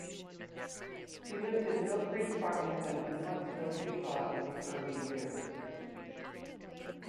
He lived in Millcreek, Farmington and Huntsville, Utah, in his early years.